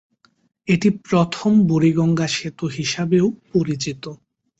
এটি প্রথম বুড়িগঙ্গা সেতু হিসাবেও পরিচিত।